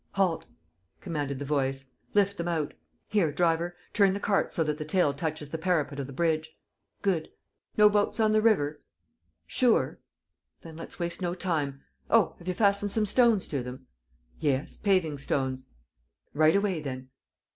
"Halt!" commanded the voice. "Lift them out. Here, driver, turn the cart so that the tail touches the parapet of the bridge. ... Good. ... No boats on the river? Sure? Then let's waste no time. ... Oh, have you fastened some stones to them?" "Yes, paving stones." "Right away, then!